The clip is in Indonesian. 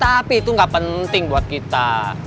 tapi itu gak penting buat kita